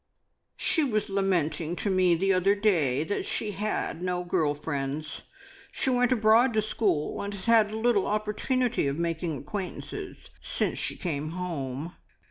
"She was lamenting to me the other day that she had no girl friends. She went abroad to school, and has had little opportunity of making acquaintances since she came home.